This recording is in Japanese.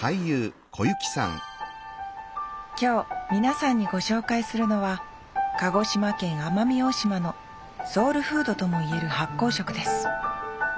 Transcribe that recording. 今日皆さんにご紹介するのは鹿児島県奄美大島のソウルフードともいえる発酵食です